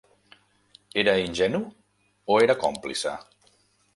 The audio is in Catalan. Era ingenu o era còmplice?